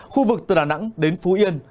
khu vực từ đà nẵng đến phú yên